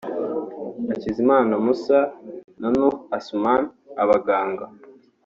Hakizimana Moussa na Nuhu Assouman (abaganga)